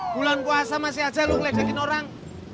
bulan puasa masih aja lo ngeledakin orang